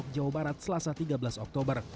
jawa barat selasa tiga belas oktober